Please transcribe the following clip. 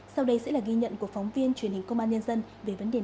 sau đây sẽ là ghi nhận của phóng viên truyền hình công an nhân dân về vấn đề này